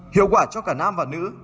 hiệu quả cho cả nam và nữ